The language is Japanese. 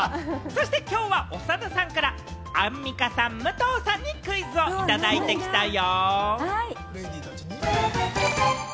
きょうは長田さんからアンミカさん、武藤さんにクイズをいただいてきたよ。